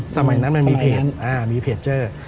สมัยนั้นมันมีเพจเจอ